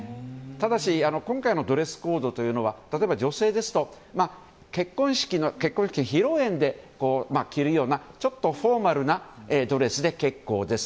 ただし、今回のドレスコードは例えば女性ですと結婚式の披露宴で着るようなちょっとフォーマルなドレスで結構です。